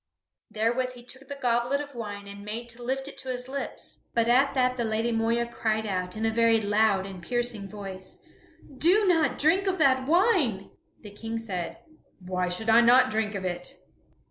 Therewith he took the goblet of wine and made to lift it to his lips. But at that the Lady Moeya cried out, in a very loud and piercing voice, "Do not drink of that wine!" The King said, "Why should I not drink of it?"